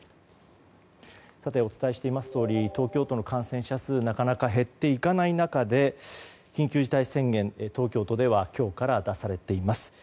お伝えしていますとおり東京都の感染者数がなかなか減っていかない中で緊急事態宣言が東京都では今日から出されています。